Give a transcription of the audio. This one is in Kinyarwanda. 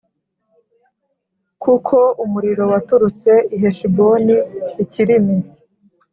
Kuko umuriro waturutse i Heshiboni Ikirimi